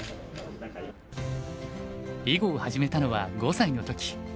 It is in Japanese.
囲碁を始めたのは５歳の時。